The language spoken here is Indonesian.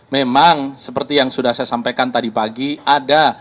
memang seperti yang sudah saya sampaikan tadi pagi ada